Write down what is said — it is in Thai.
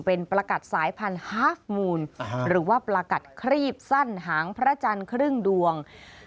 เป็นประกัดสายพันธุ์ฮาฟมูลหรือว่าประกัดครีบสั้นหางพระจันทร์ครึ่งดวง